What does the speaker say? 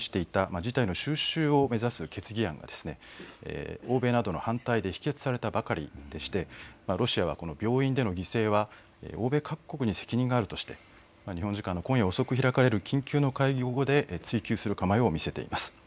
折しも１６日には安全保障理事会でロシアが示していた事態の収集を目指す決議案、欧米などの反対で否決されたばかりでしてロシアはこの病院での犠牲は欧米各国に責任があるとして日本時間の今夜遅くに開かれる緊急の会合で追及する構えを見せています。